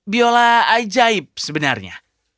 biola ajaib sebenarnya